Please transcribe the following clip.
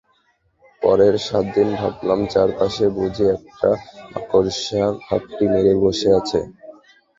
পরের সাতদিন ভাবতাম, চারপাশে বুঝি একটা মাকড়সা ঘাপটি মেরে বসে আছে।